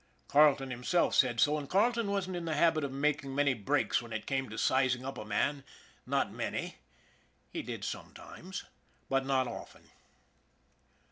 Carleton himself said so, and Carleton wasn't in the habit of making many breaks when it came to sizing up a man not many. He did sometimes, but not often.